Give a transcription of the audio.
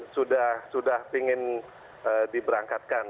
sudah sudah ingin diberangkatkan